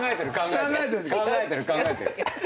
考えてる考えてる。